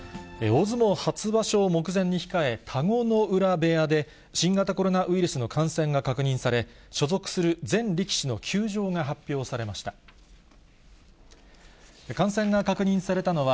大相撲初場所を目前に控え、田子ノ浦部屋で、新型コロナウイルスの感染が確認され、所属する全力士の休場が発表されました。